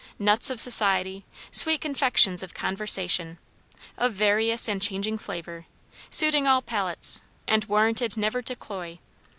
Nuts of society; sweet confections of conversation; of various and changing flavour; suiting all palates, and warranted never to cloy.